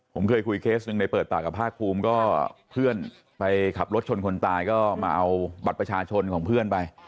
ผมเคยคุยเคสหนึ่งในเปิดปากกับภาคภูมิก็เพื่อนไปขับรถชนคนตายก็มาเอาบัตรประชาชนของเพื่อนไป